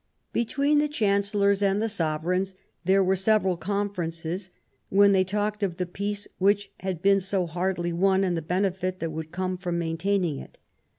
Between the Chancellors and the Sovereigns there were several conferences, when they talked of the Peace which had been so hardly won and of the benefit that would come from main taining it.